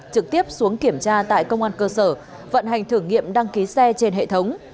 trực tiếp xuống kiểm tra tại công an cơ sở vận hành thử nghiệm đăng ký xe trên hệ thống